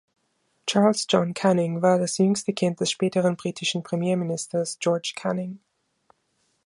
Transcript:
Charles John Canning war das jüngste Kind des späteren britischen Premierministers George Canning.